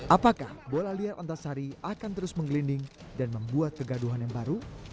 apakah bola liar antasari akan terus menggelinding dan membuat kegaduhan yang baru